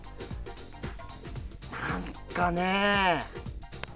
何かね